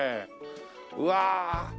うわ！